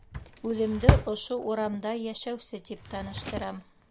Үҙемде ошо урамда йәшәүсе тип таныштырам.